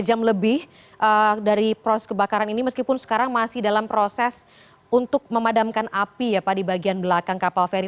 dua jam lebih dari proses kebakaran ini meskipun sekarang masih dalam proses untuk memadamkan api ya pak di bagian belakang kapal feri